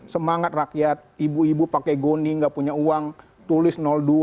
semangat rakyat ibu ibu pakai goni nggak punya uang tulis dua